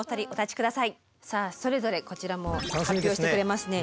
さあそれぞれこちらも発表してくれますね。